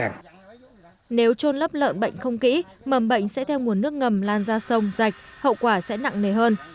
nếu trôn lấp lợn bệnh không kỹ mầm bệnh sẽ theo nguồn nước ngầm lan ra sông rạch hậu quả sẽ nặng nề hơn